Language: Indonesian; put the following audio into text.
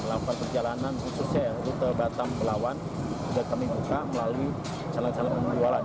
melakukan perjalanan khususnya rute batam pelawan sudah kami buka melalui jalan calon penjualan